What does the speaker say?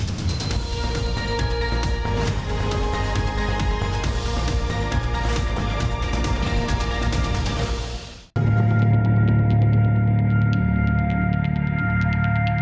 มันจะที่กลับมาอีกรอบหนึ่งถึงมีใบเอกสารมาว่า